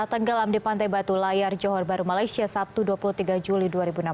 tenggelam di pantai batu layar johor baru malaysia sabtu dua puluh tiga juli dua ribu enam belas